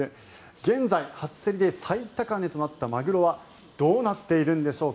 現在、初競りで最高値となったマグロはどうなっているんでしょうか。